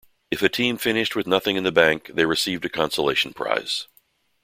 If a team finished with nothing in the bank, they received a consolation prize.